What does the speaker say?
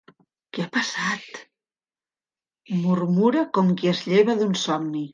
Què ha passat? —murmura, com qui es lleva d'un somni.